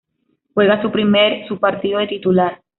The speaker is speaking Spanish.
Juega su primer su partido de titular.